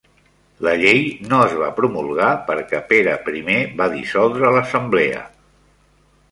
La llei no es va promulgar perquè Pere I va dissoldre l'Assemblea.